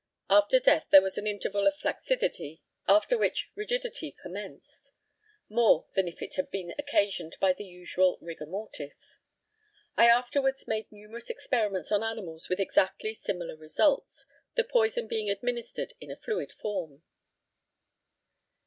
After death there was an interval of flaccidity, after which rigidity commenced, more than if it had been occasioned by the usual rigor mortis. I afterwards made numerous experiments on animals with exactly similar results, the poison being administered in a fluid form.